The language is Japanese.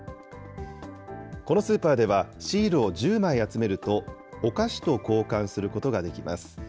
このスーパーではシールを１０枚集めると、お菓子と交換することができます。